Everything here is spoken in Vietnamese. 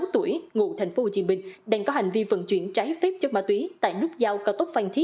ba mươi sáu tuổi ngụ tp hcm đang có hành vi vận chuyển trái phép chất ma túy tại núp giao cao tốc phan